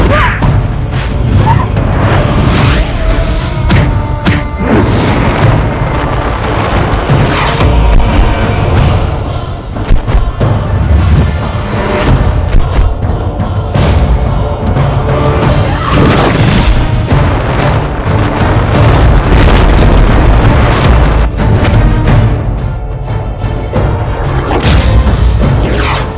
jangan selalu menghukum saya